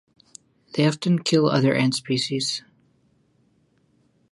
They often kill other ant species.